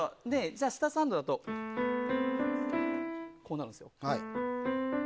下３度だと、こうなるんですよ。